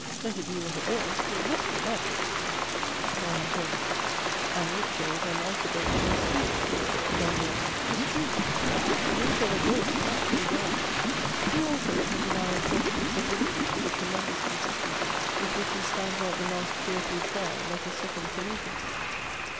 Let it be what it will, it must be natural. "D. ANT. And nature is unalterable in us too. "D. JOHN. 'Tis true! The nature of a ghost can not change our's." Who also can deny a portion of sublimity to the tremendous consistency with which he stands out the last fearful trial, like a second Prometheus?